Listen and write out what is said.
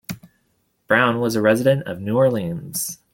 Brown was a resident of New Orleans.